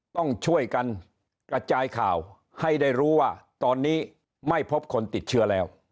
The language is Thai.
ต้องช่วยกันกระจายข่าวให้ได้รู้ว่าตอนนี้ไม่พบคนติดเชื้อแล้ว